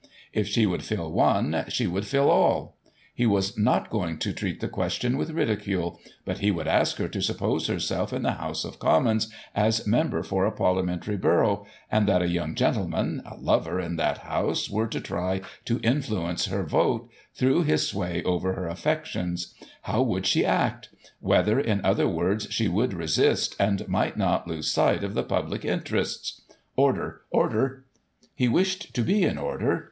If she would fill one, she would fill all ? He was not going to treat the question with ridicule ; but he would ask her to suppose herself in the House of Commons, as Member for a Parliamentary Borough, and that a young gentleman, a lover, in that House, were to try to influence her vote, through his sway over her affections ; how would she act } whether, in other words, she could resist, and might not lose sight of the public interests? (Order! Order !) He wished to be in order.